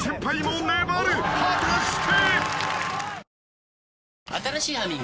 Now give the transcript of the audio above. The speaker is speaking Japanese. ［果たして］